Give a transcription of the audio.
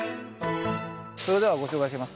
それではご紹介します。